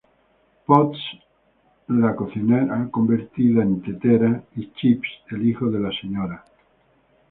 Potts, la cocinera convertida en tetera, y Chip, el hijo de la Sra.